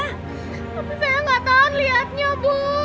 tapi saya nggak tahan liatnya bu